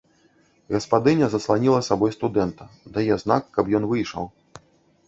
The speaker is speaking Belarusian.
Гаспадыня засланіла сабой студэнта, дае знак, каб ён выйшаў.